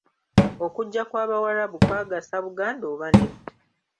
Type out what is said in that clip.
Okujja kw'Abawarabu kwagasa Buganda oba nedda?